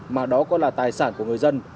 mà đó còn là tài sản của người dân